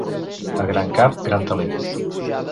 A gran cap, gran talent.